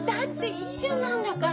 一瞬なんだから。